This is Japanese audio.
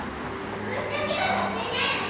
こうしておけば忘れないわね。